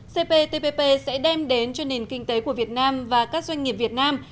cptpp sẽ đem đến cho nền kinh tế của việt nam và các doanh nghiệp việt nam